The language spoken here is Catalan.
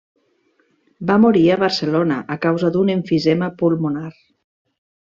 Va morir a Barcelona a causa d'un emfisema pulmonar.